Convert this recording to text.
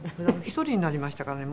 一人になりましたからね